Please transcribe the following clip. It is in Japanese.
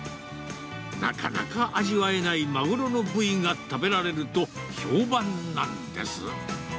なかなか味わえないマグロの部位が食べられると評判なんです。